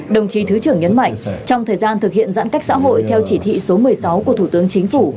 đồng chí thứ trưởng nhấn mạnh trong thời gian thực hiện giãn cách xã hội theo chỉ thị số một mươi sáu của thủ tướng chính phủ